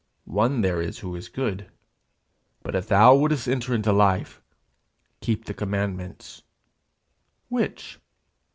'One there is who is good. But if thou wouldest enter into life, keep the commandments.' 'Which?'